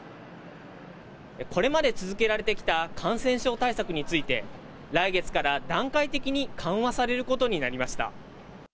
これまで続けられてきた感染症対策について、来月から段階的に緩和されることになりました。